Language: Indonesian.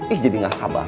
ih jadi nggak sabar